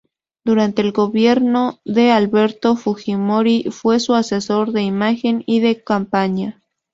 Durante el gobierno de Alberto Fujimori fue su asesor de imagen y de campaña.